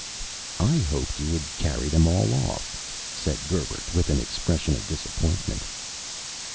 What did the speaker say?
"I hoped you would carry them all off," said Gerbert, with an expression of disappointment.